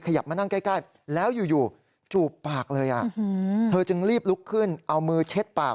มานั่งใกล้แล้วอยู่จูบปากเลยเธอจึงรีบลุกขึ้นเอามือเช็ดปาก